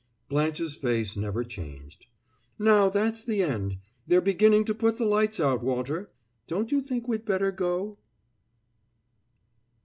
Blanche's face never changed. "Now, that's the end. They're beginning to put the lights out, Walter. Don't you think we'd better go?"